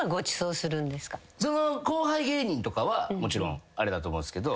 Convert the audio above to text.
後輩芸人とかはもちろんあれだと思うんすけど。